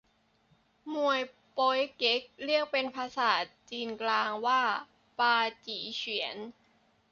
มวยโป๊ยเก๊ก เรียกเป็นภาษาจีนกลางว่าปาจี๋เฉวียน